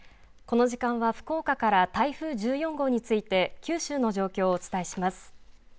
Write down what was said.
この時間は福岡から台風１４号について九州の状況をお伝えします。